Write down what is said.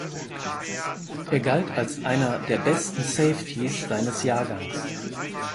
Er galt als einer der besten Safeties seines Jahrgangs.